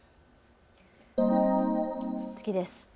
次です。